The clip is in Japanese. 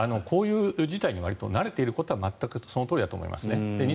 こういう事態にわりと慣れていることは全くそのとおりだと思いますね。